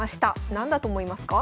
何だと思いますか？